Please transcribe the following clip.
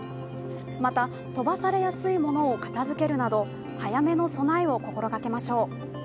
また、飛ばされやすいものを片づけるなど早めの備えを心がけましょう。